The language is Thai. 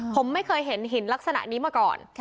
ผมไม่เคยเห็นหินลักษณะนี้มาก่อน